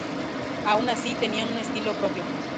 Aun así, tenían un estilo propio.